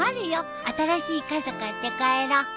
新しい傘買って帰ろ。